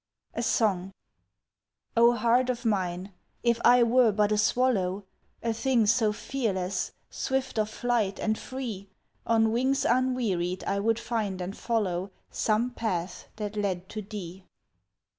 A SONG 0 heart of mine if I were but a swallow A thing so fearless, swift of flight, and free On wings unwearied I would find and follow Some path that led to thee!